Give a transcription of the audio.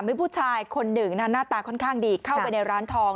มีผู้ชายคนหนึ่งหน้าตาค่อนข้างดีเข้าไปในร้านทอง